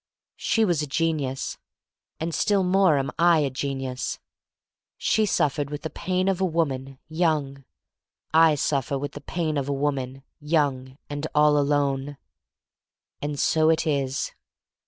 She was a genius, and still more am I a genius. She suffered with the pain of a woman, young; and I suffer with the pain of a woman, young and all alone. And so it is.